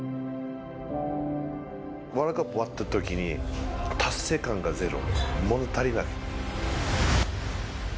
ワールドカップが終わった時に、達成感がゼロ。